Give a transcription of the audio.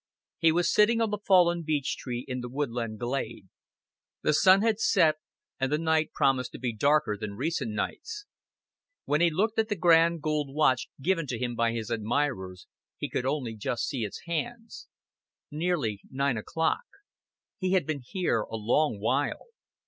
He was sitting on the fallen beech tree in the woodland glade. The sun had set, and the night promised to be darker than recent nights; when he looked at the grand gold watch given to him by his admirers, he could only just see its hands. Nearly nine o'clock. He had been here a long while.